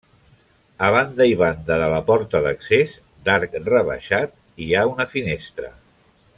A banda i banda de la porta d'accés, d'arc rebaixat, hi ha una finestra.